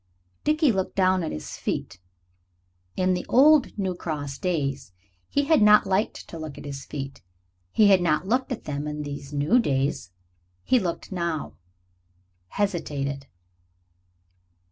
Dickie looked down at his feet. In the old New Cross days he had not liked to look at his feet. He had not looked at them in these new days. Now he looked. Hesitated.